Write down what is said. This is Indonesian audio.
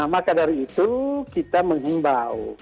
maka dari itu kita menghimbau